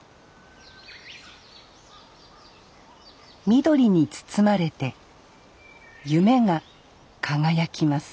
緑に包まれて夢が輝きます